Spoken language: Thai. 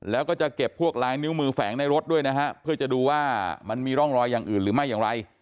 แล้วก็จะเก็บพวกลายนิ้วมือแฝงในรถด้วยนะฮะเพื่อจะดูว่ามันมีร่องรอยอย่างอื่นหรือไม่อย่างไร